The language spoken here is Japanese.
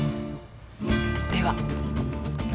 では。